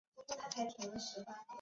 旧隶贵西道。